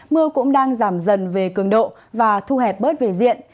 mưa cũng đang giảm dần về cường độ và thu hẹp bớt về diện